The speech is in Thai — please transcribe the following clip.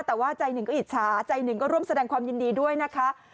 แต่ว่าใจหนึ่งก็อิจฉาใจหนึ่งก็ร่วมแสดงความยินดีด้วยนะคะ